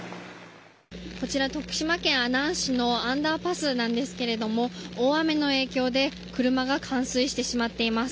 こちら、徳島県阿南市のアンダーパスなんですけれども大雨の影響で車が冠水してしまっています。